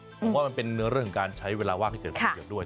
ผมว่ามันเป็นเนื้อเรื่องการใช้เวลาว่างที่เกิดขึ้นอยู่ด้วย